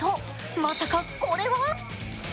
まさかこれは？